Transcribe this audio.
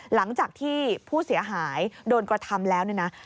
หลังจากที่ผู้เสียหายโดนกระทำแล้วเนี่ยนะ